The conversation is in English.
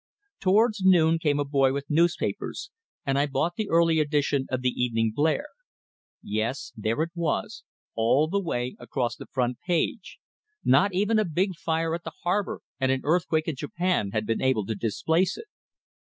Towards noon came a boy with newspapers, and I bought the early edition of the "Evening Blare." Yes, there it was all the way across the front page; not even a big fire at the harbor and an earthquake in Japan had been able to displace it.